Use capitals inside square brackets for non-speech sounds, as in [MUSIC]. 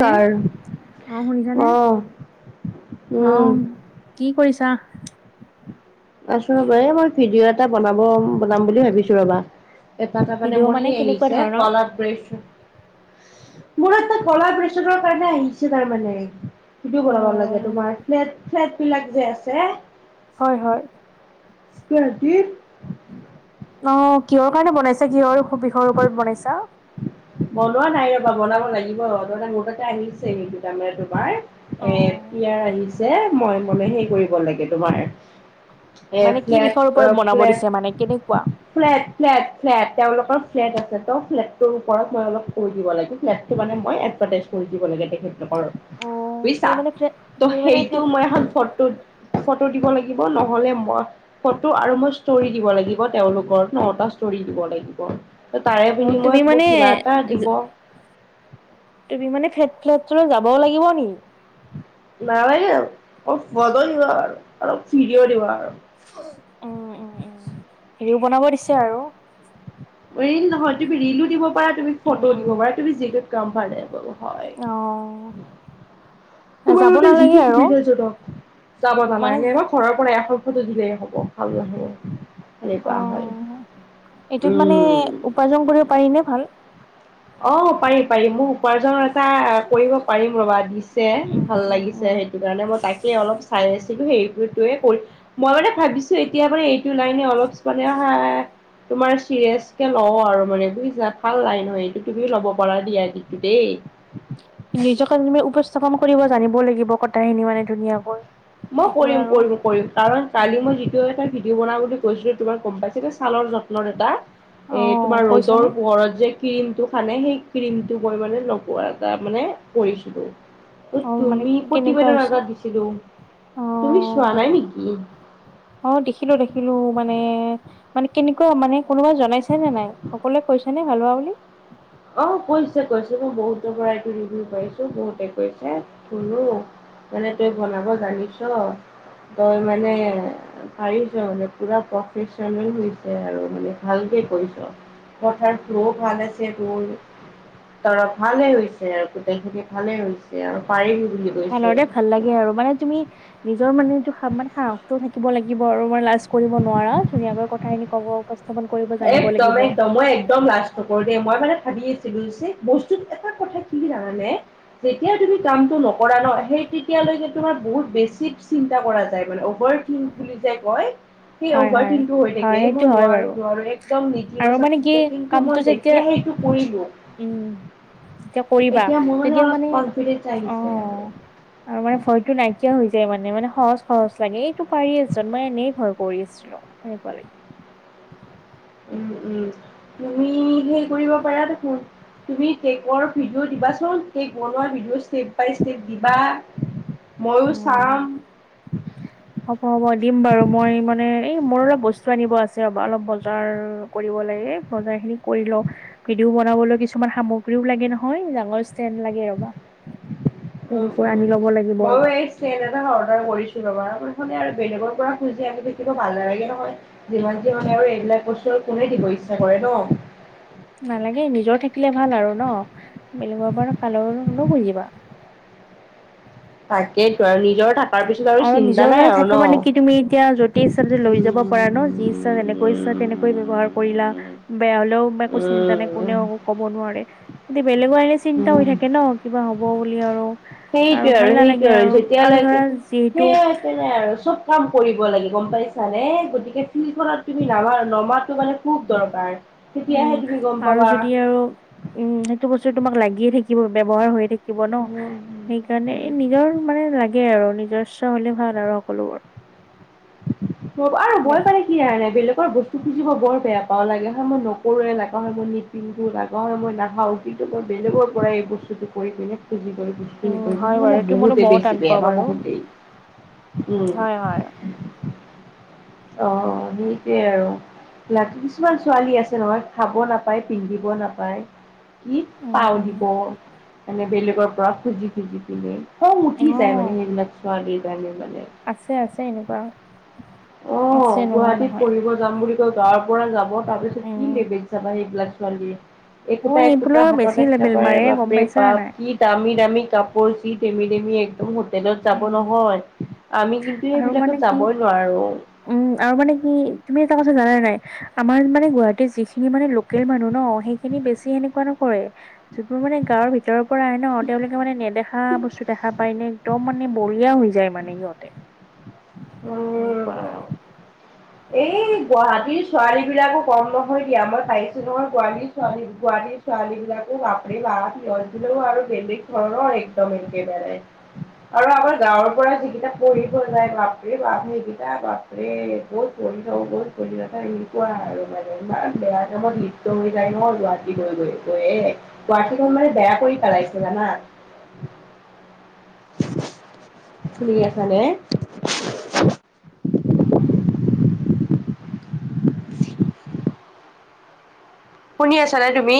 তাৰ অ শুনি ছানে? অ উম অঁ। কি কৰিছা? আছো ৰবা, এই মই ভিডিঅ' এটা বনাব বনাম বুলি ভাবিছো ৰবা। এটা তাৰ মানে ভিডিঅ' মোৰ সেই কেনেকুৱা আহিছে ধৰণৰ? কলাব ব্ৰেছন। মোৰ এটা কলা প্ৰেছৰৰ কাৰণে আহিছে তাৰমানে। সিটো অ বনাব লাগে তোমাৰ, ফ্লেট ফ্লেট বিলাক যে আছে? হয়, হয়। কি আছিল। অ অ অ, কিহৰ কাৰণে বনাইছে কিহৰ ওপ বিষয়ৰ ওপৰত বনাইছা। বনোৱা নাই ৰ'বা বনাব লাগিব দুয়োটাই মোৰ তাতে আহিছে সেই দুটা মানে তোমাৰ। এ ইয়াৰ আহিছে মই মনে হেৰি কৰিব লাগে তোমাৰ। এ মানে কি ফ্লেট বিষয়ৰ ওপৰত অ বনাব ফ্লেট দিছে মানে কেনেকুৱা? ঢিঢি ঢুঢু। ফ্লেট, ফ্লেট, ফ্লেট তেওঁলোকৰ ফ্লেট আছে ত ফ্লেটটো। পঢ়াত মই অলপ কৰি দিব লাগে যাতকে মানে মই এডভাৰটাইজ কৰি দিব লাগে তেখেতলোকৰ। তুমি বুজিছা মানে ফ্লে ত' তুমি মানে ফ্লে সেইটো মই এখন ফটো ফটো দিব লাগিব নহলে মই ফটো আৰু মই ষ্টৰি দিব লাগিব তেওঁলোকৰ নটা ষ্টৰি দিব লাগিব। ত তাৰে অ তুমি বিনিময়ত মোক মানে কিবা এটা দিব। তুমি মানে ফেট ফ্লেট চলৈ যাব লাগিব নি। নাই বাৰু নিউ অলপ সদো দিব আৰু অলপ ফিৰিও দিবা আৰু উফহ্ উম, উম, উম, হেৰিও বনাব দিছে আৰু ৰিল নহয়, তুমি ৰিলো দিব পাৰা তুমি উম ফটো উম দিব পাৰা তুমি যিটোত কমফৰটেৱল হয়। অ তোমাৰ যাব বাবে নালাগে যিটো আৰু। সুবিধাজনক যাব মানে নালাগে ন। ঘৰৰ পৰা এশ ফটো দিলেই হ'ব ভাল নহ'ব। সেনেকুৱা হয়, অ এইটোত হি হি হি হি মানে উম উ উ উ। উপাৰ্জন কৰিব পাৰিনে ভাল। অ পাৰিম পাৰিম মোক উপাৰ্জননৰ এটা কৰিব পাৰিম ৰবা দিছে উম, ভাল উম, লাগিছে সেইটো। উম। সেইটো কাৰণে মই তাকে অলপ চাই আছিলো সেইটোৰটোৱে কৰি মই মানে ভাবিছো এতিয়া মানে এই এইটো ওলাই নছ অলপ সনে হা হা হা। তোমাৰ চিৰিয়াচ কে লও আৰু মানে বুজিছা ভাল নাই নহ এইটো। তুমিও ল'ব পৰা ডি আই ডিটো দেই। নিজকে তুমি উপস্থাপন কৰিব জানিব লাগিব কথাখিনি মানে ধুনীয়াকৈ। মই সেইটো কৰিম আৰু। কৰিম কৰিম কাৰণ কালি উম। মই যিটোৱ তাৰ ভিডিঅ' বনাও বুলি কৈছিলো তোমাৰ গম পাইছে যে ছালৰ যত্নৰ এটা। এ অ', তোমাৰ কৈছানে? ৰ'দৰ পোহৰত যে। ক্ৰীমটো সানে সেই ক্ৰীমটো মই মানে নপোৱা এটা মানে কৰিছিলো। ত তুমি প্ৰতিবেদনৰ আগত দিছিলো। অ'হ। তুমি চোৱা নাই নেকি? অ দেখিলো দেখিলো মানে মানে কেনেকুৱা মানে কোনোবা জান জনাইছে নে নাই? সকলোৱে কৈছে নে ভাল হোৱা বুলি? অ কৈছে কৈছে, মই বহুতৰ পৰা এইটো ৰিভিউ পাইছো বহুতে কৈছে শুনো। মানে তই বনাব জানিছ, তই মানে অ পাৰিছ মানে পুৰা প্ৰফেচনেল হৈছে আৰু মানে ভালকে কৰিছ। ৱাটাৰ ফ্ল'ও ভাল আছে। দৌৰ, তৰা ভালে হৈছে আৰু গোটেইখিনি ভালে হৈছে আৰু পাৰি ভালৰে ভাল লাগে আৰু মানে তুমি ইহ্ ইহ্। নিজৰ মানে এইটো সা মানে সাহসটো থাকিব লাগিব আৰু ইমান লাজ কৰিব নোৱাৰা ধুনীয়াকৈ কথাখিনি কব, ক একদম একদম মই একদম লাষ্ট। তয় কৰ দে মই মানে ভাবি আছিলো যে বস্তুত এটা কথা কি জানানে? যেতিয়াই তুমি কামটো ন কৰা ন, সেই তেতিয়ালৈকে তোমাৰ বহুত বেছি চিন্তা কৰা যায় মানে অভাৰ থিংক বুলি যে কয়, সেই হয়, অভাৰ হয়, থিংটো হৈ হয়, থাকে, এ সেইটো মই হয় নোৱাৰো বাৰু। ৰো আৰু একদম আৰু নেতিবাচক মানে কি চেকিংটো কামটো মই যেতিয়া সেইটো কৰিলো। উম উ উ, যেতিয়া কৰিবা এতিয়া মোৰ আহ্ তেতিয়া অলপ মানে কনফিডেন্স অ অ আহিছে অ আৰু অ আৰু মানে ভয়টো নাইকিয়া হৈ যায় মানে মানে সহজ খৰচ লাগে, এইটো পাৰি আছ মই এনেই ভয় কৰি আছিলো। সেনেকুৱা লাগে উম উম, তুমি সেই কৰিব পাৰা দেখোন তুমি কেকৰ ভিডিঅ' দিবাচোন? কেক বনোৱা ভিডিঅ ষ্টেপ বাই ষ্টেপ দিবা? ময়ো উম চাম। হ'ব হ'ব দিম বাৰু, মই মানে এই মোৰ অলপ বস্তু আনিব আছে ৰ'বা অলপ বজাৰ কৰিব লাগে। বজাৰখিনি কৰি লও, ভিডিঅ' বনাবলৈ কিছুমান সামগ্ৰীও লাগে নহয়, ডাঙৰ ষ্টেন লা গে ৰবা, তেনেকোৱা আনি লব লাগিব ৰবা ষ্টেন এটা অৰ্ডাৰ কৰিছো ৰবা নহ'লে আৰু বেলেগৰ পৰা খুজি আনি থাকিব ভাল নালাগে নহয়। যিমান যি মানে আৰু এইবিলাক বস্তু আৰু কোনে দিব ইচ্ছা কৰে ন? নালাগে নিজৰ থাকিলে ভাল আৰু ন? বেলেগৰ পৰা কালনো খুজিবা। তাকেইটো আৰু নিজৰ থাকাৰ পিছত আৰু চিন্তা নিজৰ নাই মানে আৰু ন। থাকা মানে কি তুমি এতিয়া য'তেই ইচ্ছা লৈ যাব উম পাৰা ন, যি ইচ্ছা যেনেকৈ ইচ্ছা তেনেকৈ ব্যৱহাৰ কৰিলা। বেয়া হলেও একো চিন্তা নাই, কোনেও কব নোৱাৰে কিন্তু বেলেগৰ এনে চিন্তা উম হৈ থাকে ন? কিবা হ'ব বুলি আৰু। সেইটোৱে ভাল আৰু সেইটো নালাগে আৰু যেতিয়া লাগে, ধৰা যিহেতু সেইয়াতে তে আৰু চব কাম কৰিব লাগে গম পাইছানে গতিকে ফিল্ডখনত তুমি নামা নমাটো মানে খুব দৰকাৰ। তেতিয়াহে উম তুমি গম আৰু পাবা যদি আৰু উম সেইটো বস্তু তোমাক লাগিয়ে থাকিব ব্যৱহাৰ হৈয়ে থাকি থাকিব ন, উম সেইকাৰণে নিজৰ মানে লাগে আৰু নিজস্ব হলে ভাল আৰু সকলোবোৰ। আৰু বৈ পালি কি আৰে বেলেগৰ বস্তু খুজিব বৰ বেয়া পাওঁ, লাগিলে মই মোৰ নকৰোঁৱে নকা হয় মই নি পিন্ধো লাগা হয় মই নাখাও কিন্তু মই বেলেগৰ পৰাই এই বস্তুটো কৰি পিনে খুজি কৰি উম হয় পিনে। বাৰু [UNINTELLIGIBLE] এইটো মইতো বহুতে মইও টান বেছি বেয়া পাওঁ বাৰ বাৰু বহুতেই হয় উম। হয়। [INAUDIBLE] অহ সেইটোৱে আৰু। লাইক কিছুমান ছোৱালী আছে নহয় খাব নাপায় পিন্ধিব নাপায়। কি উম তাৱ উম দিব মানে বেলেগৰ পৰা খুজি খুজি পিনে খ‍ং এও উঠি‌ যায় সেইবিলাক ছোৱালী কাৰণে মানে আছে আছে এনেকুৱা। অ আছে নোহোৱা গুৱাহাটীত নহয় পঢ়িব যাম বুলি কয় গাঁৱৰ পৰা যাব তাৰপিছত কি উম। লেবেজ চাবা সেইবিলাক ছোৱালী, একোটা অ', একোটাৰ সেইবোৰৰ হাততে বেছি লেবেল একেবাৰে মাৰে গম বাপৰে পাইছা নে বাপ নাই? কি দামি দামি কাপোৰ চি ধেমি ধেমি একদম হোট টেলত যাব উম, নহয়, আমি কিন্তু আৰু এইবিলাকত মানে কি যাবই নোৱাৰো। উম আৰু মানে কি তুমি এটা কথা জানা নাই? আমাৰ মানে গুৱাহাটীৰ যি খিনি মানে লোকেল মানুহ ন সেইখিনি বেছি সেনেকুৱা নকৰে। যোনবোৰ মানে গাঁৱৰ ভিতৰৰ পৰা আহে ন তেওঁলোকে মানে নেদেখা বস্তু দেখা পায় নে একদম মানে বলিয়া হৈ যায় মানে ইহঁতে। উম কোৱা আৰু এই গুৱাহাটীৰ ছোৱালী বিলাকো কম নহয় দিয়া মই পাইছো নহয় গুৱালি ছোৱালী গুৱাহাটীৰ ছোৱালী বিলাকো বাপৰে বাপ মই কিন্তু আৰু বেলেগ ঘৰৰ একদম একেবাৰে। আৰু আমাৰ গাঁৱৰ পৰা যিকেইটা পঢ়িব যায় বাপৰে বাপ সেইকেইটা বাপৰে বহুত পঢ়ি থাকো বহুত পঢ়ি এনেকুৱা আৰু মানে ইমান বেয়া টাইমত লিপ্ত হৈ যায় ন গুৱাহা টী গৈ গৈ গৈ এ গুৱাহাটীখন মানে বেয়া কৰি পেলাইছে জানা? শুনি আছা নে? শুনি আছা নে তুমি?